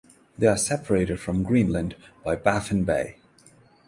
They are separated from Greenland by Baffin Bay.